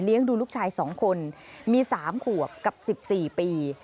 ดูลูกชาย๒คนมี๓ขวบกับ๑๔ปี